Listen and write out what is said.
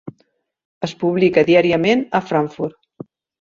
Es publica diàriament a Frankfurt.